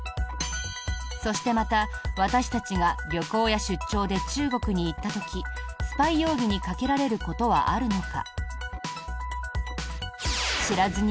そしてまた、私たちが旅行や出張で中国に行った時スパイ容疑にかけられることはあるのか？